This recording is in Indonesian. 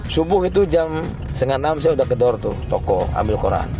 subuh itu jam setengah enam saya udah kedor tuh toko ambil koran